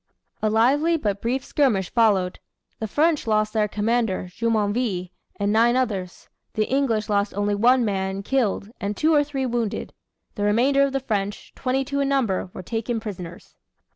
A lively but brief skirmish followed. The French lost their commander, Jumonville, and nine others. The English lost only one man, killed, and two or three wounded. The remainder of the French, twenty two in number, were taken prisoners.